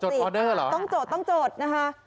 ออเดอร์เหรอต้องจดต้องจดนะคะ